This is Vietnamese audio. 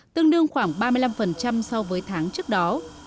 tương đương khoảng ba mươi năm so với tháng trước đó